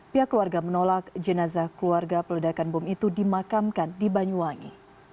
pihak keluarga menolak jenazah keluarga peledakan bom itu dimakamkan di banyuwangi